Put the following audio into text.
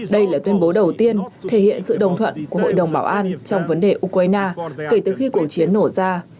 đây là tuyên bố đầu tiên thể hiện sự đồng thuận của hội đồng bảo an trong vấn đề ukraine kể từ khi cuộc chiến nổ ra